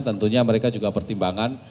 tentunya mereka juga pertimbangan